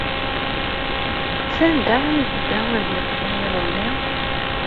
Sanda ay yedda ad d-yeqḍu iḍelli?